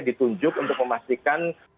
ditunjuk untuk memastikan